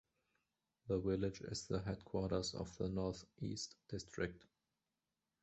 The village is the Headquarters of the North East District.